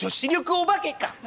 お化けか！